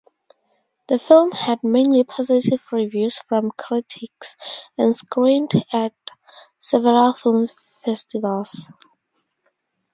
The film had mainly positive reviews from critics and screened at several film festivals.